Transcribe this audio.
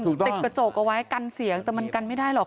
ติดกระจกเอาไว้กันเสียงแต่มันกันไม่ได้หรอก